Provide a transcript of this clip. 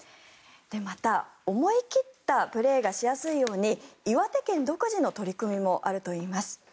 また思い切ったプレーがしやすいように岩手県独自の取り組みもあるといいます。